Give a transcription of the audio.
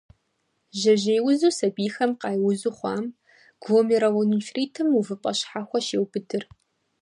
Жьэжьей узу сабийхэм къайузу хъуам гломерулонефритым увыпӏэ щхьэхуэ щеубыдыр.